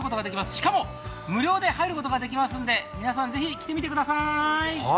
しかも、無料で入ることができますので、皆さんぜひ来てみてください。